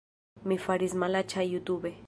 Mi faris malaĉa jutube